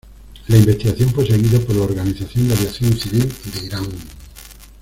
La investigación fue seguida por la Organización de Aviación Civil de Irán.